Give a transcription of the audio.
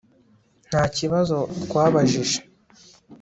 Nta kibazo twabajije